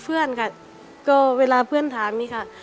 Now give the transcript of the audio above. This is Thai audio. เพื่อนค่ะก็เวลาเพื่อนถามนี่ค่ะ